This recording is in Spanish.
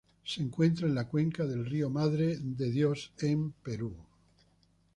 Se encuentran en la cuenca del río Madre de Dios, en Perú.